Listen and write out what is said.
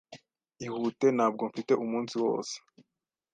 Ihute! Ntabwo mfite umunsi wose.